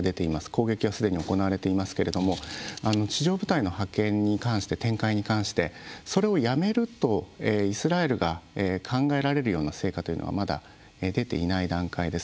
攻撃はすでに行われていますけれども地上部隊の展開に関してそれをやめるとイスラエルが考えられるような成果というのはまだ出ていない段階です。